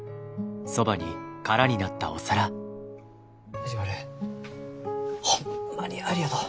藤丸ホンマにありがとう。